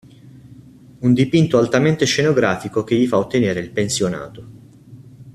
Un dipinto altamente scenografico che gli fa ottenere il Pensionato.